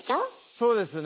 そうですね。